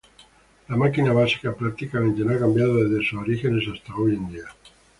La máquina básica prácticamente no ha cambiado desde sus orígenes hasta hoy en día.